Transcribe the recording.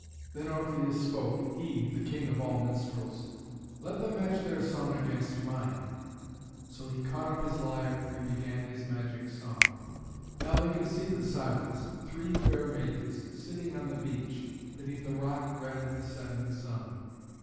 Then Orpheus spoke, he, the king of all minstrels, "Let them match their song against mine;" so he caught up his lyre and began his magic song. Now they could see the Sirens. Three fair maidens, sitting on the beach, beneath a rock red in the setting sun.